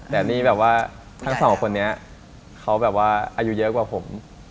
แต่นี่แบบว่าทั้งสองคนนี้เขาแบบว่าอายุเยอะกว่าผม